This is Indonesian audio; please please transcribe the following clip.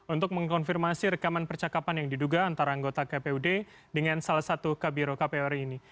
untuk mengkonfirmasi rekaman percakapan yang diduga antara anggota kpud dengan salah satu kabiro kpu ri ini